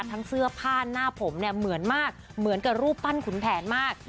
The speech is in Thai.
ทั้งเสื้อผ้าหน้าผมเนี่ยเหมือนมากเหมือนกับรูปปั้นขุนแผนมาก